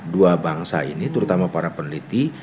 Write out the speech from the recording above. dua bangsa ini terutama para peneliti